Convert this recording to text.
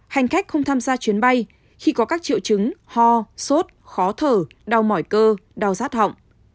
hành khách không tham gia chuyến bay khi có các triệu chứng ho sốt khó thở đau mỏi cơ đau rát họng